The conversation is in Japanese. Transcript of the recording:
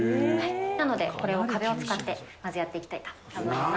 なので、これを壁を使ってまずやっていきたいと思います。